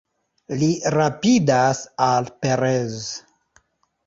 Li rapidas al Perez.